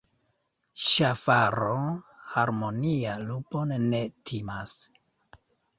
Ŝafaro harmonia lupon ne timas.